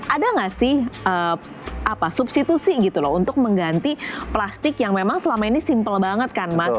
ada nggak sih substitusi gitu loh untuk mengganti plastik yang memang selama ini simple banget kan mas